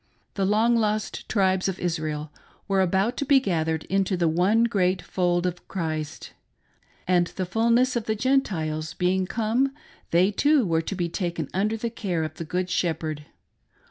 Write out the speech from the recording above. The long lost tribes of Israel were about to be gathered into the one great fold of Christ ; and the fulness of the Gentiles being come, they, too, were to be taken under the care of the Good Shep herd.